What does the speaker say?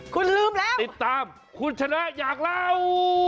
คุณลืมแล้วติดตามคุณชนะอยากเล่า